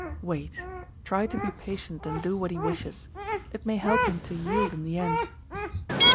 "Wait. Try to be patient and do what he wishes. It may help him to yield in the end."